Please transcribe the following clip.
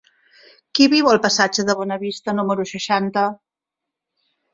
Qui viu al passatge de Bonavista número seixanta?